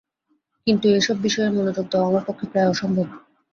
কিন্তু এ-সব বিষয়ে মনযোগ দেওয়া আমার পক্ষে প্রায় অসম্ভব।